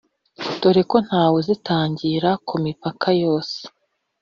doreko ntawe uzitangira ku mipaka yose